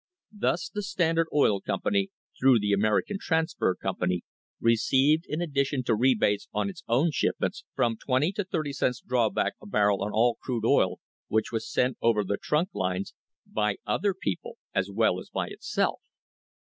Thus the Standard Oil Company, through the American Transfer Company, received, in addi tion to rebates on its own shipments, from twenty to thirty five cents drawback a barrel on all crude oil which was sent over the trunk lines by other people as well as by itself.